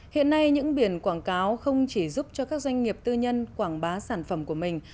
hiện nay những biển quảng cáo không chỉ giúp cho các doanh nghiệp tư nhân quảng bá sản phẩm của mình